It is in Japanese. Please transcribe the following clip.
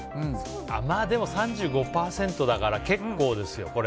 でも、３５％だから結構ですよ。